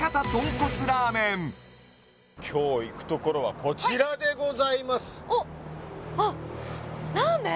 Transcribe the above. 今日行くところはこちらでございますおっあっラーメン？